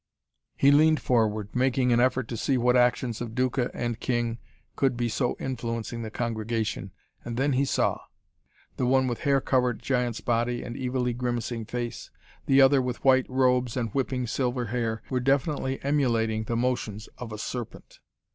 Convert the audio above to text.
He leaned forward, making an effort to see what actions of Duca and king could be so influencing the congregation. And then he saw. Both of those central figures, the one with hair covered giant's body and evilly grimacing face, the other with white robes and whipping silver hair, were definitely emulating the motions of a serpent!